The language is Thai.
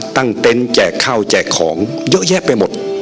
ตั้งเต้นแจกข้าวแจกของเยอะแยะไปหมด